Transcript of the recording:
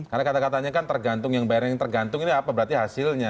karena kata katanya kan tergantung yang bayar yang tergantung ini apa berarti hasilnya